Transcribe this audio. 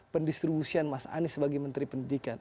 pendistribusian mas anies sebagai menteri pendidikan